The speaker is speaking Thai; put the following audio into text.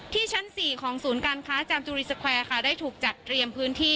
ชั้น๔ของศูนย์การค้าจามจุรีสแควร์ค่ะได้ถูกจัดเตรียมพื้นที่